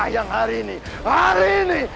yang hari ini